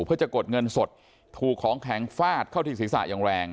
เพื่อจะกดเงินสดถูกของแข็งฟาดเข้าที่ศีรษะอย่างแรง